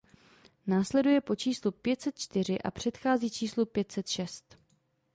Následuje po číslu pět set čtyři a předchází číslu pět set šest.